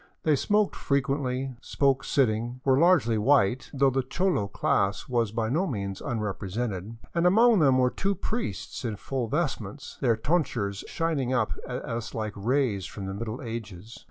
They smoked frequently, spoke sitting, were largely white, though the cholo class was by no means unrepresented, and among them were two priests in full vestments, their tonsures shining up at us like rays from the Middle Ages.